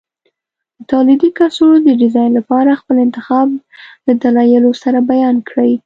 د تولیدي کڅوړو د ډیزاین لپاره خپل انتخاب له دلایلو سره بیان کړئ.